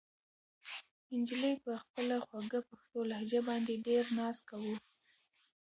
نجلۍ په خپله خوږه پښتو لهجه باندې ډېر ناز کاوه.